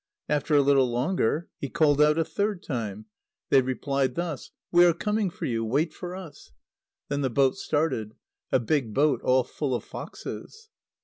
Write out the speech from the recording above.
After a little longer, he called out a third time. They replied thus: "We are coming for you, Wait for us!" Then the boat started, a big boat all full of foxes.